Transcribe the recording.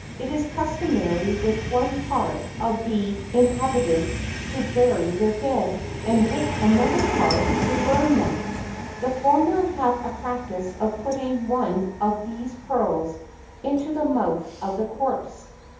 It is customary with one part of the 321 JAPAN inhabitants to bury their dead, and with another part to burn them. The former have a practice of putting one of these pearls into the mouth of the corpse.